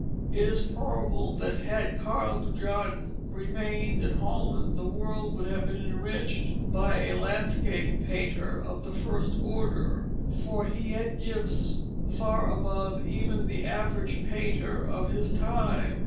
It is probable that had Karl Dujardin remained in Holland, the world would have been enriched by a landscape painter of the first order, for he had gifts far above even the average painter of his time.